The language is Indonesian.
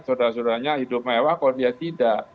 saudara saudaranya hidup mewah kalau dia tidak